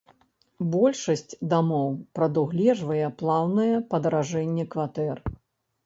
Большасць дамоў прадугледжвае плаўнае падаражанне кватэр.